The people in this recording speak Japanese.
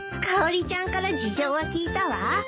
かおりちゃんから事情は聞いたわ。